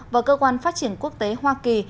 và cơ quan phát triển quốc tế hoa kỳ